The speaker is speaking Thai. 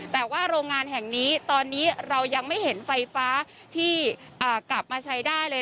แต่ว่าโรงงานแห่งนี้ตอนนี้เรายังไม่เห็นไฟฟ้าที่กลับมาใช้ได้เลย